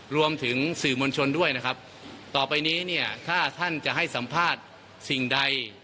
รวมถึงสื่อมวลชนด้วยนะครับต่อไปนี้เนี่ยถ้าท่านจะให้สัมภาษณ์สิ่งใด